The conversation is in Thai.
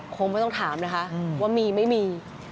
คงไม่ต้องถามนะคะว่ามีไม่มี